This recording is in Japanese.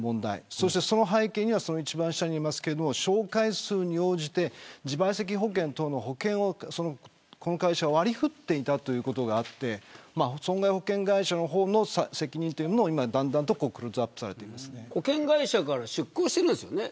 そしてその背景には一番下にありますが紹介数に応じて自賠責保険等の保険をこの会社は割り振っていたということがあって損害保険会社の方の責任というものもだんだんと保険会社から出向しているんですよね。